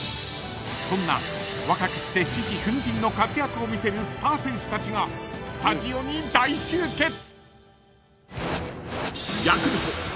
［そんな若くして獅子奮迅の活躍を見せるスター選手たちがスタジオに大集結！］